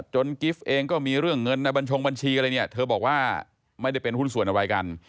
กิฟต์เองก็มีเรื่องเงินในบัญชงบัญชีอะไรเนี่ยเธอบอกว่าไม่ได้เป็นหุ้นส่วนอะไรกัน